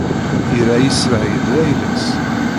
Irra Isṛayil d ayla-s.